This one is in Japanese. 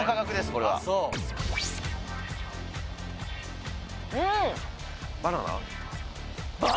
これはうん・バナナ？